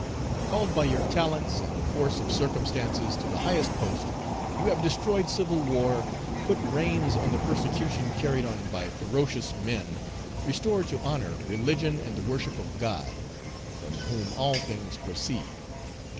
"Called by your talents and the force of circumstances to the highest post, you have destroyed civil war, put reins on the persecution carried on by ferocious men, restored to honor religion and the worship of God, from whom all things proceed.